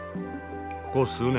ここ数年